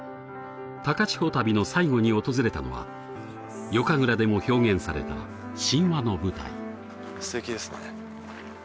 高千穂旅の最後に訪れたのは夜神楽でも表現された神話の舞台素敵ですね